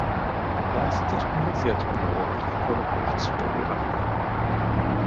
Daeth y darganfyddiad hwnnw â rhagor o chwilotwyr i'r ardal.